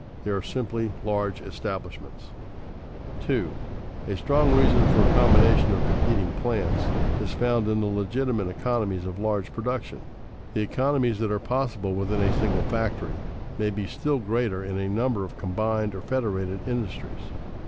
They are simply large establishments. [Sidenote: Economies of combination] 2. A strong reason for combination of competing plants is found in the legitimate economies of large production. The economies that are possible within a single factory may be still greater in a number of combined or federated industries.